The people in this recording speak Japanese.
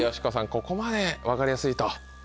ここまで分かりやすいと。